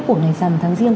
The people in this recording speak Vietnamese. của ngày giảm tháng riêng